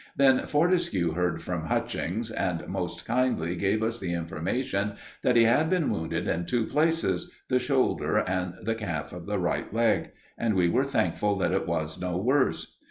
Then Fortescue heard from Hutchings, and most kindly gave us the information that he had been wounded in two places the shoulder and the calf of the right leg. And we were thankful that it was no worse.